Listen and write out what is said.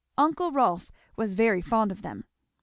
Uncle Rolf was very fond of them.